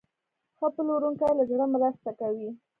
ښه پلورونکی له زړه مرسته کوي.